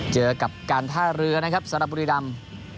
เจอกับการท่าเรือนะครับสำหรับบุรีรำ